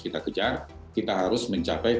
kita kejar kita harus mencapai